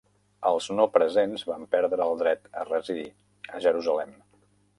Els no presents van perdre el dret a residir a Jerusalem.